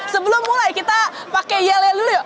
sebelum mulai kita pakai yell yell dulu